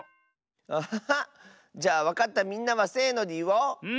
アハハ！じゃあわかったみんなはせのでいおう！